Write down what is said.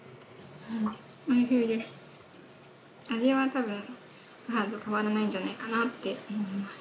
味は多分母と変わらないんじゃないかなって思います。